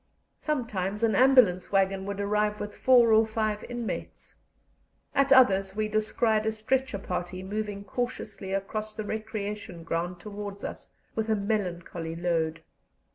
Sometimes an ambulance waggon would arrive with four or five inmates; at others we descried a stretcher party moving cautiously across the recreation ground towards us with a melancholy load.